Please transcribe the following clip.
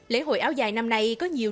lễ hội áo dài năm nay có nhiều